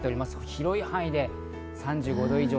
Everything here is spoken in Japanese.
広い範囲で３５度以上。